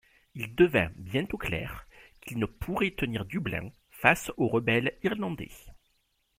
Il devint bientôt clair qu'il ne pourrait tenir Dublin face aux rebelles irlandais.